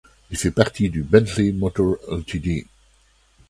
Il fait partie du Bentley Motors Ltd.